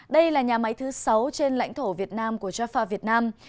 đây là nhà máy thứ sáu trên lãnh thổ việt nam của jaffa việt nam